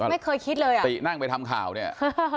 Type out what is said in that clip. ไม่เคยคิดเลยอ่ะตินั่งไปทำข่าวเนี่ย